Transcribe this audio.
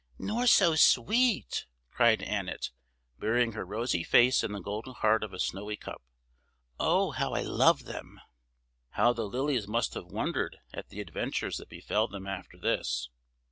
"Nor so sweet!" cried Annet, burying her rosy face in the golden heart of a snowy cup. "Oh, how I love them!" How the lilies must have wondered at the adventures that befell them after this!